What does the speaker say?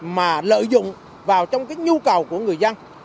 mà lợi dụng vào trong cái nhu cầu của người dân